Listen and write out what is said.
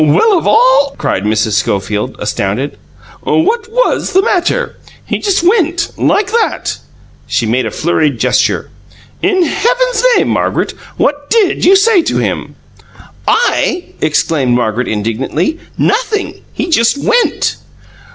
"Well, of all !" cried Mrs. Schofield, astounded. "What was the matter? He just went like that!" She made a flurried gesture. "In heaven's name, Margaret, what DID you say to him?" "I!" exclaimed Margaret indignantly. "Nothing! He just WENT!"